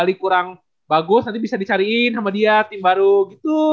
kalau bali kurang bagus nanti bisa dicariin sama dia tim baru gitu